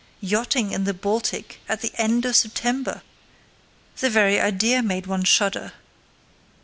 Yachting in the Baltic at the end of September! The very idea made one shudder.